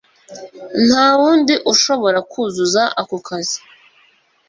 ntawundi ushobora kuzuza ako kazi